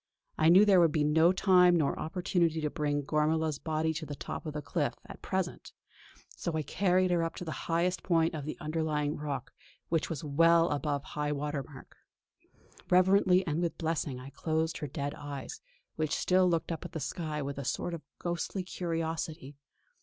I knew there would be no time nor opportunity to bring Gormala's body to the top of the cliff at present; so I carried her up to the highest point of the underlying rock, which was well above high water mark. Reverently and with blessing I closed her dead eyes, which still looked up at the sky with a sort of ghostly curiosity.